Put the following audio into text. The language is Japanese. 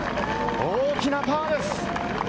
大きなパーです。